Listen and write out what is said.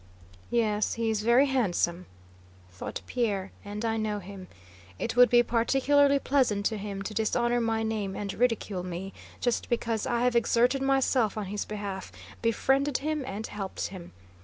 "Yes, he is very handsome," thought Pierre, "and I know him. It would be particularly pleasant to him to dishonor my name and ridicule me, just because I have exerted myself on his behalf, befriended him, and helped him.